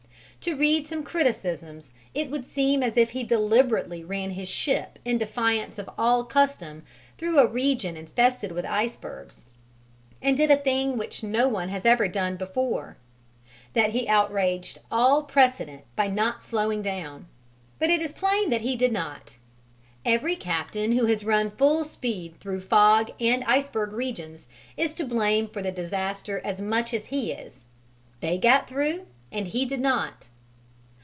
To read some criticisms it would seem as if he deliberately ran his ship in defiance of all custom through a region infested with icebergs, and did a thing which no one has ever done before; that he outraged all precedent by not slowing down. But it is plain that he did not. Every captain who has run full speed through fog and iceberg regions is to blame for the disaster as much as he is: they got through and he did not.